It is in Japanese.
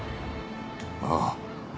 ああ。